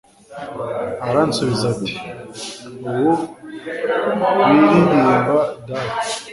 Aransubiza ati: "Ubu biririmba, Data."